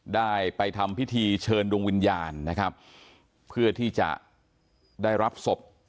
ได้ไปทำพิธีเชิญดวงวิญญาณนะครับเพื่อที่จะได้รับศพ